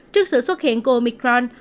trước sự xuất hiện của omicron